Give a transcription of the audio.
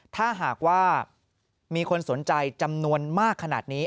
ถ้าหากว่ามีคนสนใจจำนวนมากขนาดนี้